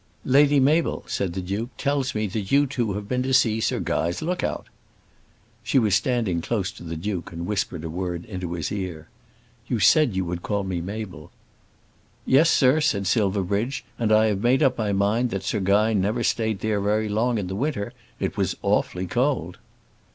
"Lady Mabel," said the Duke, "tells me that you two have been to see Sir Guy's look out." She was standing close to the Duke and whispered a word into his ear. "You said you would call me Mabel." "Yes, sir," said Silverbridge, "and I have made up my mind that Sir Guy never stayed there very long in winter. It was awfully cold."